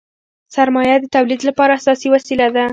سرمایه د تولید لپاره اساسي وسیله ده.